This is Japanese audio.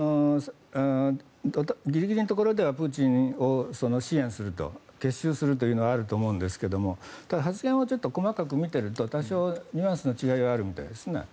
ギリギリのところではプーチンを支援する結集するのはあると思うんですがただ、発言を細かく見ていると多少ニュアンスの違いがあるみたいですね。